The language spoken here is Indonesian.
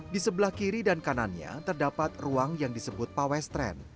di sebelah kiri dan kanannya terdapat ruang yang disebut pawestren